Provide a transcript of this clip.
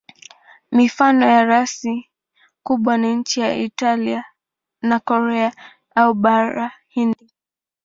Mifano ya rasi kubwa ni nchi za Italia na Korea au Bara Hindi.